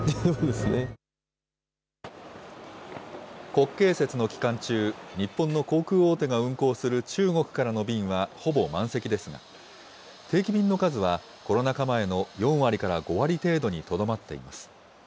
国慶節の期間中、日本の航空大手が運航する中国からの便はほぼ満席ですが、定期便の数はコロナ禍前の４割から５割程度にとどまっています。